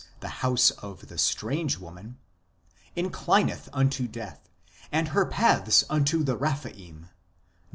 the house of the strange woman) inclineth unto death, and her paths unto (the) Rephaim (R.V.